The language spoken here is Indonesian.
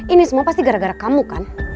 ini semua pasti gara gara kamu kan